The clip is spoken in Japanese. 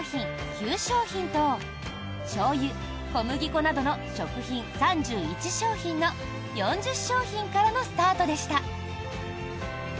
９商品としょうゆ、小麦粉などの食品３１商品の４０商品からのスタートでした。